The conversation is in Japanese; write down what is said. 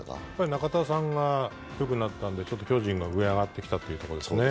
中田さんがよくなったんで、巨人が上、上がってきたというところですかね。